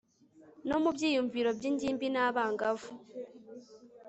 no mu byiyumviro by ingimbi n abangavu